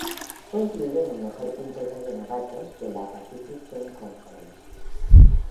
Fue incluido en el mejor quinteto de novatos de la Pacific Ten Conference.